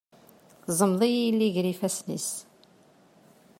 Teẓmeḍ -iyi yelli ger ifassen-is.